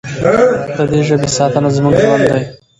د دې ژبې ساتنه زموږ ژوند دی.